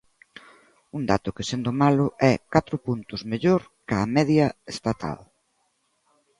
Un dato que, sendo malo, é catro puntos mellor que a media estatal.